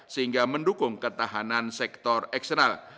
sehingga mendukung ketahanan sektor eksternal